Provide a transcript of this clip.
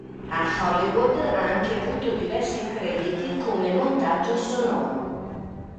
A Hollywood, ha anche avuto diversi crediti come montaggio sonoro.